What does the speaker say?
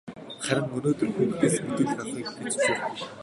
Харин өнөөдөр хүүхдээс мэдүүлэг авахыг бид зөвшөөрөхгүй.